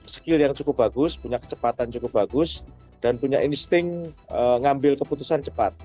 skill yang cukup bagus punya kecepatan cukup bagus dan punya insting ngambil keputusan cepat